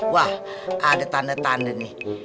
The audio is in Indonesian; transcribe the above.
wah ada tanda tanda nih